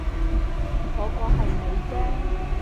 嗰個係你啫